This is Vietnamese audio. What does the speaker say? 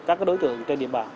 các đối tượng trên địa bàn